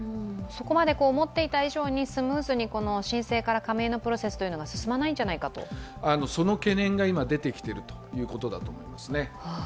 そこまで思っていた以上にスムーズに申請から加盟のプロセスというのがその懸念が今、出てきているということだと思いますね。